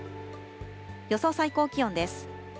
予想最高気温です。